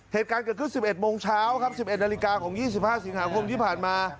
เหตุการณ์เกิดขึ้น๑๑โมงเช้าครับ๑๑นาฬิกาของ๒๕สิงหาคมที่ผ่านมา